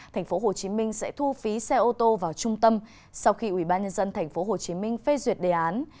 thành phố hồ chí minh sẽ thu phí xe ô tô vào trung tâm sau khi ủy ban nhân dân thành phố hồ chí minh phê duyệt đề án